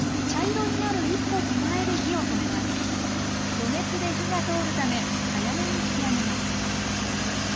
余熱で火が通るため早めに引き上げます。